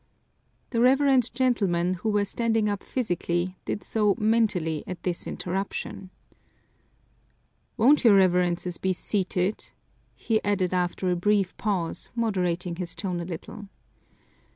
The reverend gentlemen, who were standing up physically, did so mentally at this interruption. "Won't your Reverences be seated?" he added after a brief pause, moderating his tone a little.